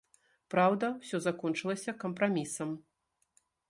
Праўда, усё закончылася кампрамісам.